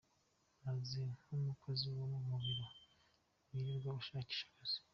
Meze nk’umukozi wo mu biro wirirwa ashakisha akazi.